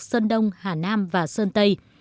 sơn đông hà nam và sơn tây